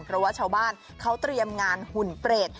เพราะว่าชาวบ้านเขาเตรียมงานหุ่นเปรต